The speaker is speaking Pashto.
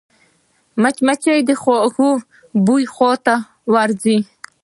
مچمچۍ د خوږ بوی خواته ورځي